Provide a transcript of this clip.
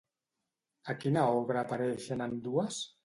A quina obra apareixen ambdues?